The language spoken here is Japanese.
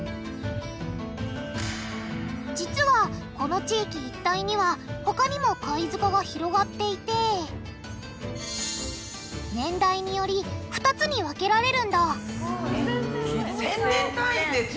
実はこの地域一帯には他にも貝塚が広がっていて年代により２つに分けられるんだ１０００年単位で違うんだ。